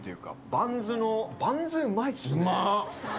バンズの、バンズ、うまいっすね。